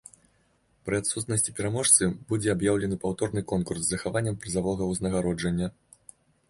Пры адсутнасці пераможцы будзе аб'яўлены паўторны конкурс з захаваннем прызавога ўзнагароджання.